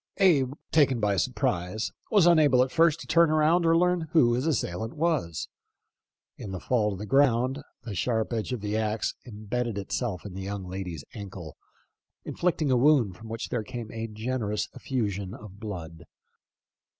Abe, taken by surprise, was unable at first to turn around or learn who his assailant was. In the fall to the ground, the sharp edge of the axe imbedded itself in the young lady's ankle, inflicting a wound from which there came a generous effu sion of blood.